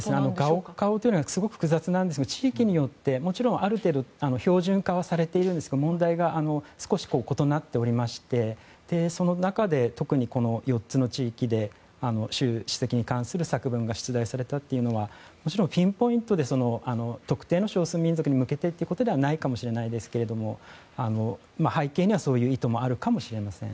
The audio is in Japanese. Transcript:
ガオカオというのはすごく複雑なんですが地域によってもちろんある程度標準化はされていますが問題が少し異なっておりましてその中で、特にこの４つの地域で習主席に関する作文が出題されたというのはもちろん、ピンポイントで特定の少数民族に向けてということではないかもしれないですが背景には、そういう意図もあるかもしれません。